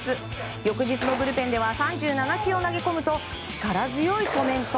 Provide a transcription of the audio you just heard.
翌日のブルペンでは３７球を投げ込むと力強いコメント。